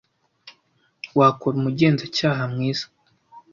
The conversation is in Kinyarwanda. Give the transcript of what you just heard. Wakora umugenzacyaha mwiza.